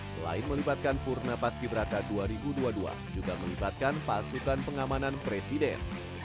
selain melibatkan purna paski braka dua ribu dua puluh dua juga melibatkan pasukan pengamanan presiden